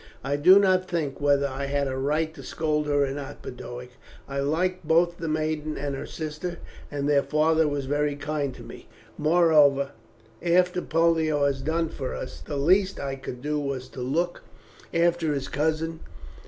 "I did not think whether I had a right to scold her or not, Boduoc. I liked both the maiden and her sister, and their father was very kind to me. Moreover, after all Pollio has done for us, the least I could do was to look after his cousin.